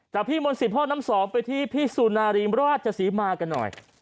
พี่มนต์สิทธิพ่อน้ำสองไปที่พี่สุนารีมราชศรีมากันหน่อย